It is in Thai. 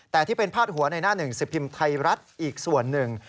แต่ที่เป็นพาดหัวในหน้าหนึ่งสิบพิมพ์ไทยรัฐอีกส่วนหนึ่ง